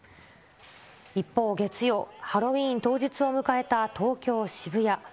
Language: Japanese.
一方、月曜、ハロウィーン当日を迎えた東京・渋谷。